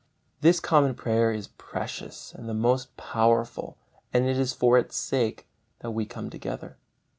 This common prayer is precious and the most powerful, and it is for its sake that we come together.